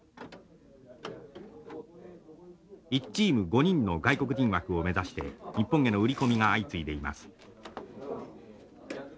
１チーム５人の外国人枠を目指して日本への売り込みが相次いでいます。